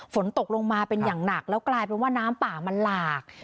ฝนตกลงมาเป็นอย่างหนักแล้วกลายเป็นว่าน้ำป่ามันหลาก